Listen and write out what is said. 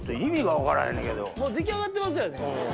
もう出来上がってますよね。